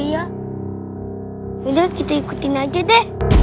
yaudah kita ikutin aja deh